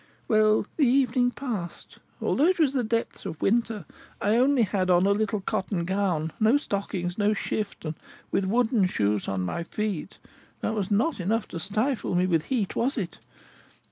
"Well, the evening passed. Although it was in the depth of winter, I only had on a little cotton gown, no stockings, no shift, and with wooden shoes on my feet: that was not enough to stifle me with heat, was it?